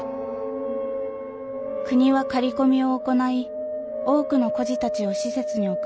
国は狩り込みを行い多くの孤児たちを施設に送りました。